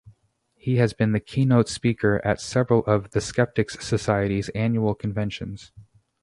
He has been the keynote speaker at several of The Skeptics Society's annual conventions.